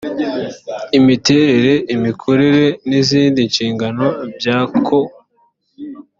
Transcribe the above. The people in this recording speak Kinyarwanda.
imiterere imikorere n izindi nshingano byako